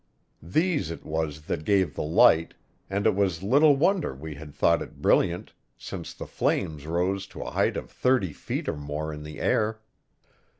These it was that gave the light, and it was little wonder we had thought it brilliant, since the flames rose to a height of thirty feet or more in the air.